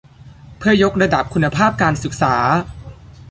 เพื่อยกระดับคุณภาพการศึกษา